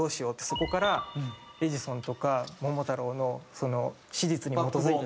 そこからエジソンとか桃太郎の史実に基づいた。